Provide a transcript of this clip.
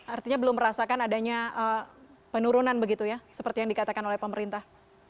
artinya belum merasakan adanya penurunan begitu ya seperti yang dikatakan oleh pemerintah